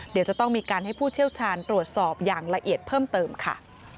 เดี๋ยวจะต้องมีการให้ผู้เชี่ยวชาญตรวจสอบอย่างละเอียดเพิ่มเติมค่ะ